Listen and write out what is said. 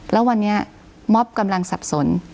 แล้ววันนี้ม็อบกำลังสับสน